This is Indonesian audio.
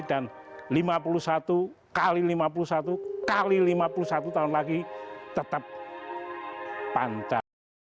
dan lima puluh satu kali lima puluh satu kali lima puluh satu tahun lagi tetap pantai